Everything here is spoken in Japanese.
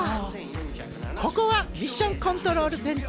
ここはミッションコントロールセンター。